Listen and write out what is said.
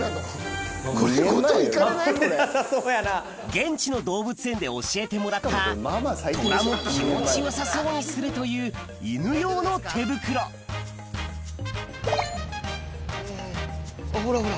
現地の動物園で教えてもらったトラも気持ちよさそうにするという犬用の手袋はいはいほらほら